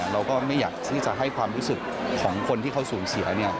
เราก็ไม่อยากที่จะให้ความรู้สึกของคนที่เขาสูญเสีย